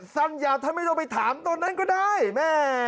สัญญาท่านไม่ต้องไปถามตอนนั้นก็ได้แม่